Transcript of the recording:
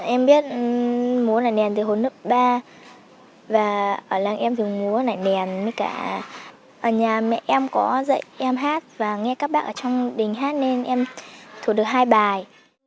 em biết múa nảy nèn từ hồ nước ba và ở làng em thường múa nảy nèn với cả ở nhà mẹ em có dạy em hát và nghe các bác ở trong đình hát nên em thua được hai bài